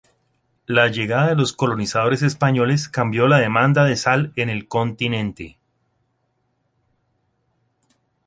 La llegada de los colonizadores españoles cambió la demanda de sal en el continente.